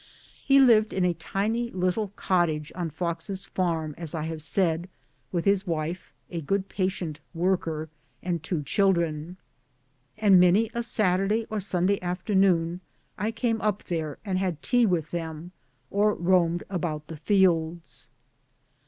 He lived in a tiny little cottage, on Fox's farm as I have said, with his wife, a good patient worker, and two children. And many a Saturday or Sunday afternoon I came up there and had tea with them, or roamed about the fields.